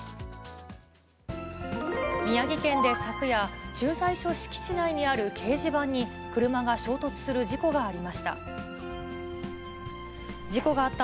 宮城県で昨夜、駐在所敷地内にある掲示板に車が衝突する事故がありました。